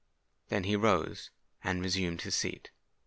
Then he rose, and resumed his seat.